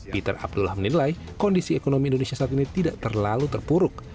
peter abdullah menilai kondisi ekonomi indonesia saat ini tidak terlalu terpuruk